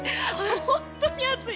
本当に暑い！